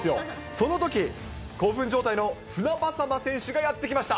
そのとき、興奮状態の船迫選手がやって来ました。